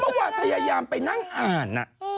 เมื่อว่าพยายามไปนั่งอ่าน